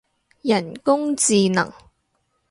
人工智能